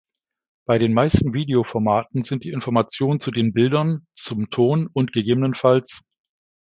Bei den meisten Video-Formaten sind die Information zu den Bildern, zum Ton und ggf.